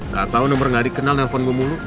gak tau nomor gak dikenal nelfon gue mulu